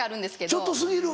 ちょっと過ぎる。